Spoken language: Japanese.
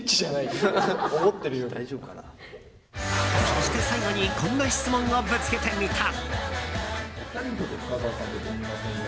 そして、最後にこんな質問をぶつけてみた。